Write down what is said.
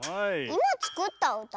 いまつくったうた？